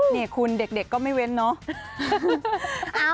นี่คุณเด็กก็ไม่เว้นเนาะ